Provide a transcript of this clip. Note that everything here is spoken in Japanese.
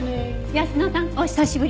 泰乃さんお久しぶり。